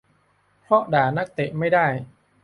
เพราะด่านักเตะไม่ได้